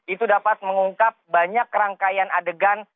itu dapat mengungkap banyak rangkaian adegan